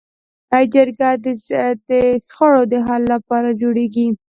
جرګه د شخړو د حل لپاره جوړېږي